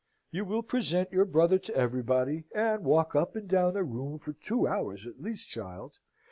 You will present your brother to everybody, and walk up and down the room for two hours at least, child.